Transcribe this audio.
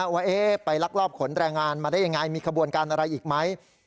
ว่าไปลักลอบขนแรงงานมาได้ยังไงมีขบวนการอะไรอีกไหม